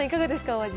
お味。